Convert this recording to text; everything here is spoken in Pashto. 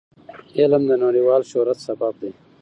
علم د نړیوال شهرت سبب دی.